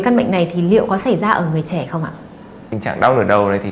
các bệnh này thì liệu có xảy ra ở người trẻ không ạ tình trạng đau nửa đầu này thì